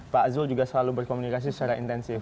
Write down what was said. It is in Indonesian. pak zul juga selalu berkomunikasi secara intensif